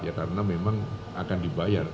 ya karena memang akan dibayar